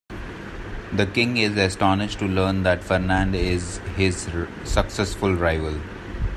The King is astonished to learn that Fernand is his successful rival.